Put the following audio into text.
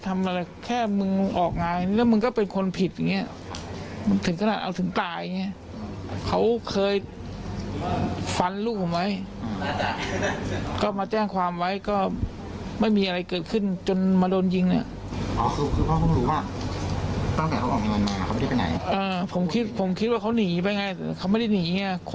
ไม่มีอะไรเกิดขึ้นจนมาโดนยิงเนี่ย